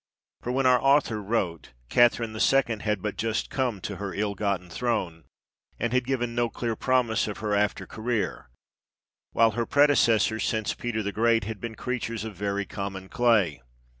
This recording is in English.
For when our author wrote, Catherine II. had but just come to her ill gotten throne, and had given no clear promise of her after career ; while her predecessors, since Peter the Great, had been creatures of very common clay.